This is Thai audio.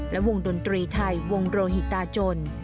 และวงดนตรีไทยวงโรหิตาจน